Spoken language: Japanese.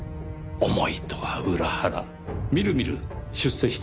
思いとは裏腹みるみる出世した。